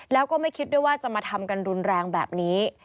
แล้วก็ไม่คิดด้วยว่าจะมาทำกันรุนแรงแบบนี้